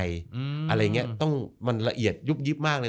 อะไรอย่างนี้ต้องมันละเอียดยุบยิบมากเลย